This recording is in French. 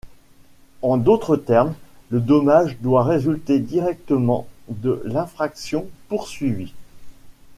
En d'autres termes, le dommage doit résulter directement de l'infraction poursuivie.